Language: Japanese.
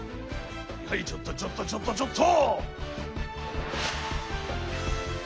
はいちょっとちょっとちょっとちょっと！